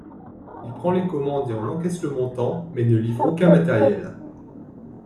Il prend les commandes et en encaisse le montant mais ne livre aucun matériel.